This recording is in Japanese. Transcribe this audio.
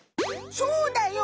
そうだよ